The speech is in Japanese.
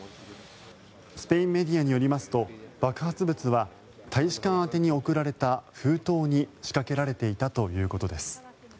スペインメディアによりますと爆発物は大使館宛てに送られた封筒に仕掛けられていたということです。